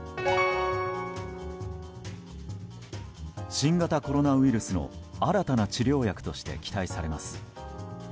新型コロナウイルスの新たな治療薬として期待されます。